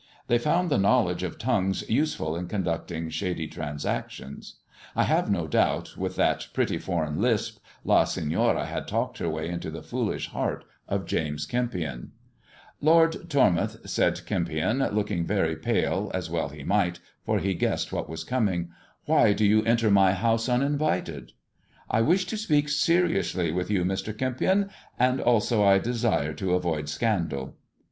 They found the knowledge of tongues useful in conducting shady transactions. I have no doubt, with that pretty foreign lisp, La Senora had talked her way into the foolish heart of James Kempion. 300 THE JESUIT AND THE MEXICAN COIN " Lord Tormoutli," Baid Kempion, looking very pftle, u well he might, for he guessed what waK cnmiug, "why do you enter my houee uniaTitedl" " I wish to speak seriously with you, Mr. Kempion, tsoA also I deBire to avoid scandal."